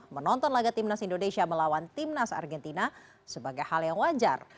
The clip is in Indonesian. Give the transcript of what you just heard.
menonton laga timnas indonesia melawan timnas argentina sebagai hal yang wajar